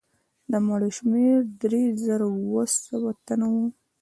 د مړو شمېر درې زره اووه سوه تنه وو.